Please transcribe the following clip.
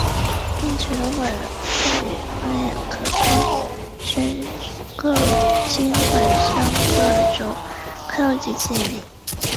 另图书馆柜位可供选购金管局各种刊物及纪念品。